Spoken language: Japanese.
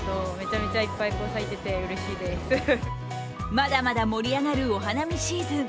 まだまだ盛り上がるお花見シーズン。